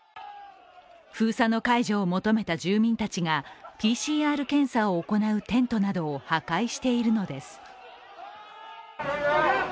封鎖の解除を求めた住民たちがＰＣＲ検査を行うテントなどを破壊しているのです。